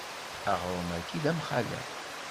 Aɣrum-agi d amxalef.